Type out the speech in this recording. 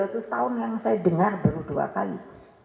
dua ratus tahun yang saya dengar baru dua kali